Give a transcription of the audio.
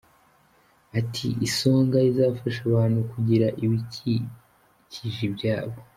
Ati “Isonga izafasha abantu kugira ibikikije ibyabo.